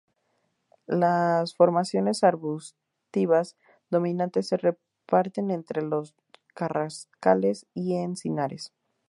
Las formaciones arbustivas dominantes se reparten entre los carrascales y encinares.